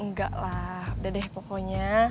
enggak lah udah deh pokoknya